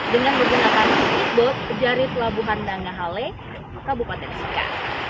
dengan bergerakan sepeda dari pelabuhan nanggahale kabupaten sika